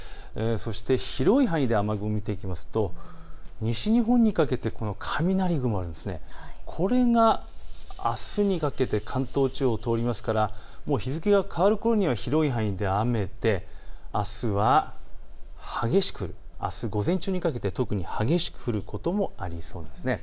そして広い範囲で雨雲を見ていきますと西日本にかけてこの雷雲これがあすにかけて関東地方を通りますから日付が変わるころには広い範囲で雨であす午前中にかけて激しく降ることもありそうなんです。